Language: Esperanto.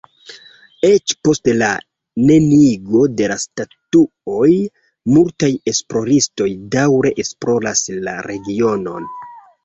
Eĉ post la neniigo de la statuoj multaj esploristoj daŭre esploras la regionon.